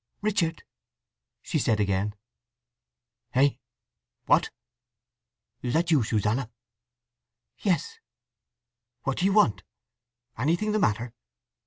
"Richard!" she said again. "Hey—what? Is that you, Susanna?" "Yes." "What do you want? Anything the matter?